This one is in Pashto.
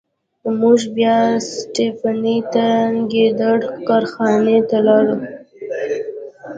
موږ بیا سټپني ته د ګیلډر کارخانې ته لاړو.